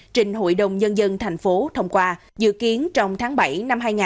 trình hội đồng nhân dân thành phố thông qua dự kiến trong tháng bảy năm hai nghìn hai mươi